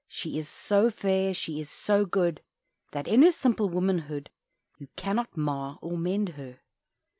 She is so fair, she is so good, That, in her simple womanhood, You cannot mar or mend her.